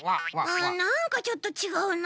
うんなんかちょっとちがうな。